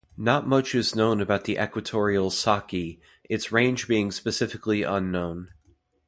Not much is known about the equatorial saki, its range being specifically unknown.